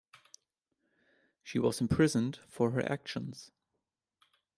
She was imprisoned for her actions.